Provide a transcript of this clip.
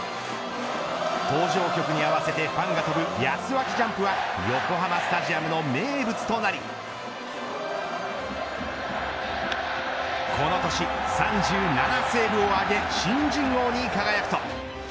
登場曲に合わせてファンが跳ぶヤスアキジャンプは横浜スタジアムの名物となりこの年、３７セーブを挙げ新人王に輝くと。